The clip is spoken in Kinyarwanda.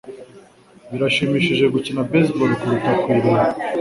Birashimishije gukina baseball kuruta kuyireba